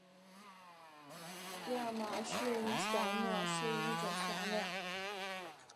亚马逊伞鸟是一种伞鸟。